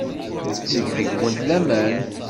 Netteg deg-went laman.